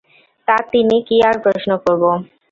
তা, তিনি– কী আর প্রশ্ন করব?